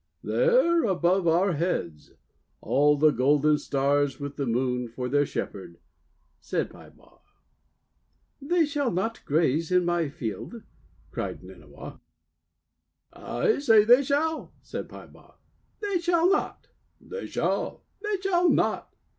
"There above our heads all the golden Stars, with the Moon for their shepherd," said Peibaw. 'They shall not graze in my field!' cried Nynniaw. 'I say they shall," said Peibaw. "They shall not 5" "They shall!" "They shall not!"